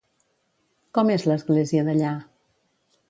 Com és l'església d'allà?